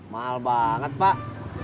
mahal banget pak